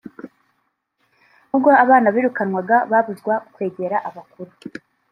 ubwo abana birukanwaga babuzw akwegera abakuru